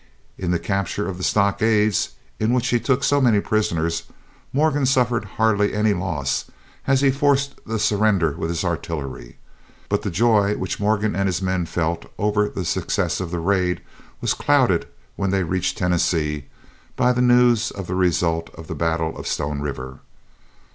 In the capture of the stockades in which he took so many prisoners, Morgan suffered hardly any loss, as he forced the surrender with his artillery. But the joy which Morgan and his men felt over the success of the raid was clouded when they reached Tennessee by the news of the result of the battle of Stone River.